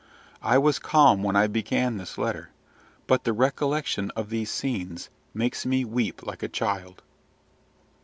I was calm when I began this letter, but the recollection of these scenes makes me weep like a child."